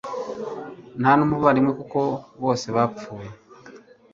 ntanumuvandimwe kuko bose bapfuye